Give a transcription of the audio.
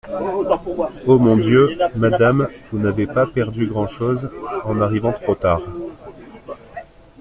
Oh ! mon Dieu ! madame, vous n'avez pas perdu grand'chose, en arrivant trop tard.